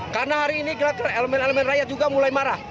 karena hari ini elemen elemen rakyat juga mulai marah